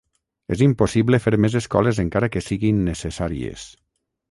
És impossible fer més escoles encara que siguin necessàries.